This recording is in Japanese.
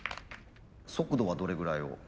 速度はどれぐらいを？